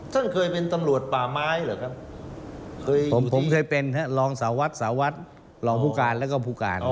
ท่านเคยเป็นตำรวจป่าไม้หรือครับเคยอยู่ที่ผมเคยเป็นฮะรองสาวัสดิ์สาวัสดิ์รองผู้การแล้วก็ผู้การ